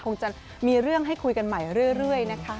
คงจะมีเรื่องให้คุยกันใหม่เรื่อยนะคะ